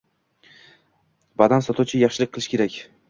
Banan sotuvchi yaxshilik qilish kerak.